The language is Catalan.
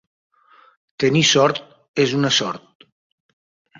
Tenir sort és una sort.